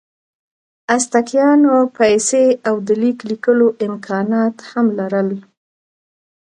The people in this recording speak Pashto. ازتکیانو پیسې او د لیک لیکلو امکانات هم لرل.